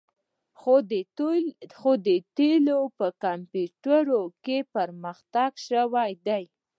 خو د تیلو په کمپیوټرونو کې پرمختګ شوی دی